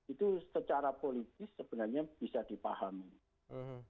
itu secara politis sebenarnya bisa dipahami